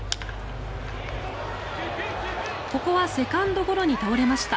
ここはセカンドゴロに倒れました。